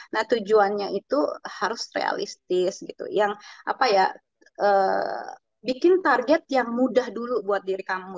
nah tujuannya itu harus realistis gitu yang apa ya bikin target yang mudah dulu buat diri kamu